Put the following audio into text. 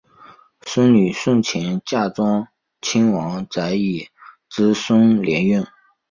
孙女诵琴嫁端亲王载漪之孙毓运。